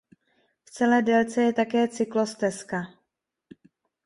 V celé délce je také cyklostezka.